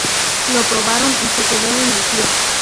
Lo probaron y se quedó en el club.